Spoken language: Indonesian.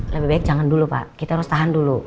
lebih baik jangan dulu pak kita harus tahan dulu